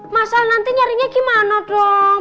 masa nanti nyarinya gimana dong